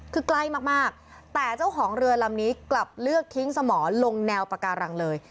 คือใกล้มากแต่เจ้าของเรือลำนี้กลับเลือกทิ้งสมอลงแนวปาการังเลย